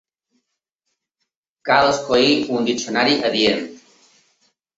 Cal escollir un diccionari adient.